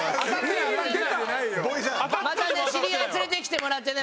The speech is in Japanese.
知り合い連れてきてもらってね。